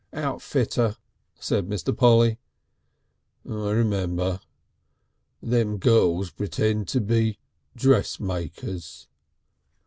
"Outfitter," said Mr. Polly. "I remember. Them girls pretend to be dressmakers."